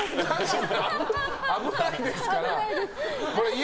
危ないですから。